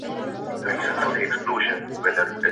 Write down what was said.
په خامه خوله پخه وعده ستایمه,